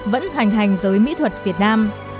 vẫn hoành hành giới mỹ thuật việt nam